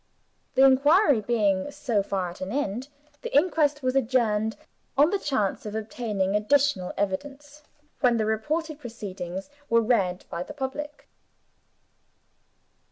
The inquiry being, so far, at an end, the inquest was adjourned on the chance of obtaining additional evidence, when the reported proceedings were read by the public.